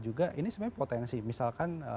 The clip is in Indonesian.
juga ini sebenarnya potensi misalkan